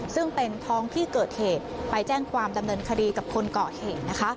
ซึ่งเป็นท้องที่เกิดเหตุไปแจ้งความดำเนินคดีกับคนเกาะเหตุ